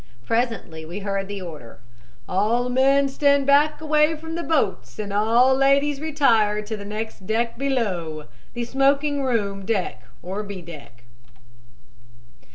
Presently we heard the order: "'All men stand back away from the boats, and all ladies retire to next deck below' the smoking room deck or B deck.